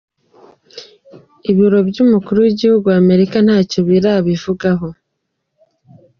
Ibiro vy'umukuru w'igihugu wa Amerika ntaco birabivugako.